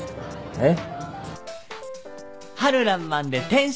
えっ？